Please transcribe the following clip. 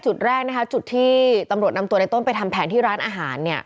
จากที่ตำรวจนำตัวในต้นไปทำแผนที่ร้านอาหาร